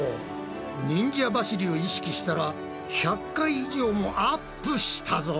忍者走りを意識したら１００回以上もアップしたぞ！